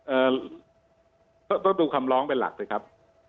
เอ่อก็ต้องดูคำร้องเป็นหลักสิครับ